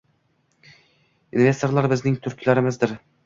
Investorlar bizning "turklarimiz" dir